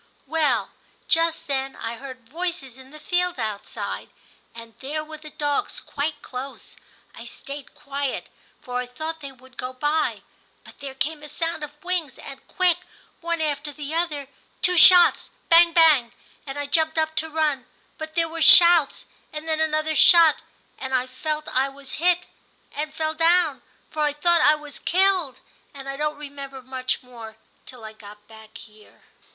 Well, just then I heard voices in the field outside, and there were the dogs 26 TIM CHAP. quite close. I stayed quiet, for I thought they would go by ; but there came a sound of wings, and quick, one after the other, two shots — bang, bang, and I jumped up to run ; but there were shouts, and then another shot, and I felt I was hit, and fell down, for I thought I was killed ; and I don't remember r much more till I got back here.'